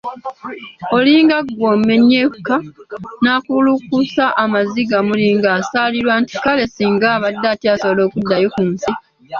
Olinga ggwe omenyeka, n’akulukusa amaziga muli ng'asaalirwa nti kale singa abadde akyasobola okuddayo ku nsi.